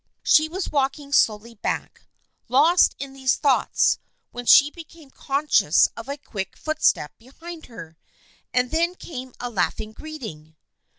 She was walking slowly back, lost in these thoughts, when she became conscious of a quick footstep behind her, and then came a laughing greeting.